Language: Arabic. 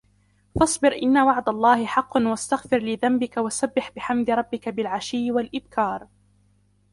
فاصبر إن وعد الله حق واستغفر لذنبك وسبح بحمد ربك بالعشي والإبكار